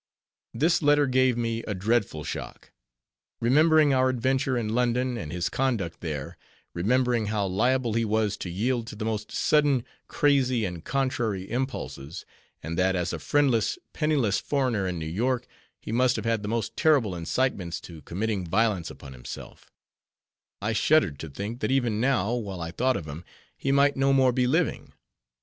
_ This letter gave me a dreadful shock. Remembering our adventure in London, and his conduct there; remembering how liable he was to yield to the most sudden, crazy, and contrary impulses; and that, as a friendless, penniless foreigner in New York, he must have had the most terrible incitements to committing violence upon himself; I shuddered to think, that even now, while I thought of him, he might no more be living.